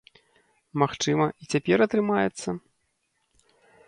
Магчыма, і цяпер атрымаецца?